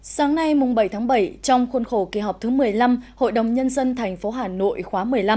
sáng nay bảy tháng bảy trong khuôn khổ kỳ họp thứ một mươi năm hội đồng nhân dân tp hà nội khóa một mươi năm